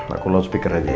aku loudspeaker aja ya